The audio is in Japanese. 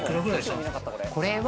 これは。